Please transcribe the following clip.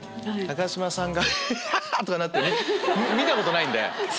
中島さんが「ハッハ！」とかなってるの見たことないんで。